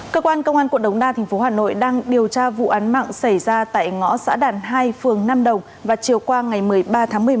cơ quan công an cộng đồng đa tp hcm đang điều tra vụ án mạng xảy ra tại ngõ xã đàn hai phường nam đồng và chiều qua ngày một mươi ba tháng một mươi một